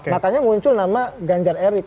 makanya muncul nama ganjar erik